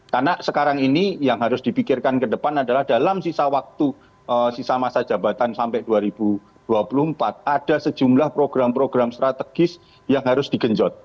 karena sekarang ini yang harus dipikirkan ke depan adalah dalam sisa waktu sisa masa jabatan sampai dua ribu dua puluh empat ada sejumlah program program strategis yang harus digenjot